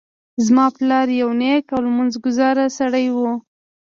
زما پلار یو نیک او لمونځ ګذاره سړی ده